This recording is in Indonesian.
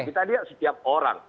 kita lihat setiap orang